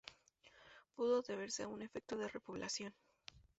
Pudo deberse a un efecto de repoblación.